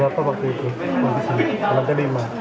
terasa berapa waktu itu